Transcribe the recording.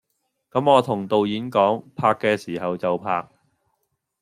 咁我同導演講，拍嘅時候就拍！